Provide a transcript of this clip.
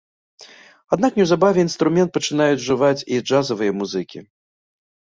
Аднак неўзабаве інструмент пачынаюць ужываць і джазавыя музыкі.